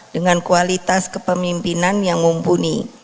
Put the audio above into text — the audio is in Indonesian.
dengan kualitas kepemimpinan yang mumpuni